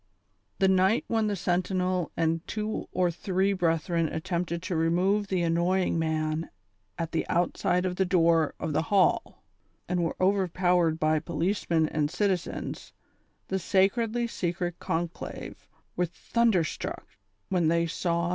The night when the sentinel and two or three brethren 204 THE SOCIAL WAR OF 1900; OR, attempted to remove the unnoying man at the outside of the door of the hall, and were overpowered by policemen and citizens, the sacredly secret conclave were thunder struck when they saw.